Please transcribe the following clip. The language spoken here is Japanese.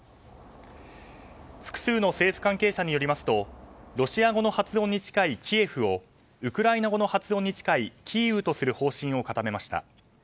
複数の政府関係者によりますとロシア語の発音に近いキエフをウクライナ語の発音に近いキーウとする方針を固めました。